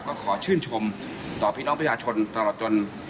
ก็ขอชื่นชมต่อพี่น้องประชาชนตลอดจน